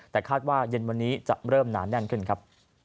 แต่คาดว่าเย็นวันนี้จะเริ่มหนาแน่นขึ้นครับ